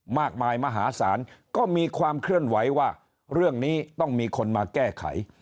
มากมายมหาศาลก็มีความเคลื่อนไหวว่าเรื่องนี้ต้องมีคนมาแก้ไข